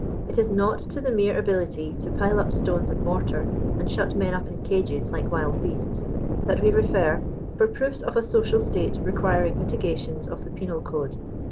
It is not to the mere ability to pile up stones and mortar, and shut men up in cages, like wild beasts, that we refer for proofs of asocial state requiring mitigations of the penal code.